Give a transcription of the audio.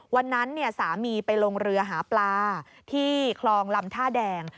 วันนั้นสามีไปลงเรือหาปลาที่คลองลำท่าแดง